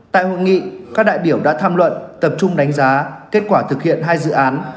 tại hội nghị các đại biểu đã tham luận tập trung đánh giá kết quả thực hiện hai dự án